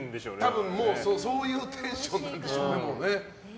多分、そういうテンションなんでしょうね。